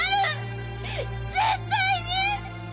絶対に！